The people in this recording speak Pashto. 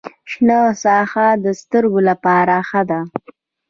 شنه ساحه د سترګو لپاره ښه ده.